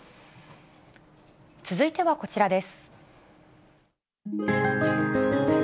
続いてはこちらです。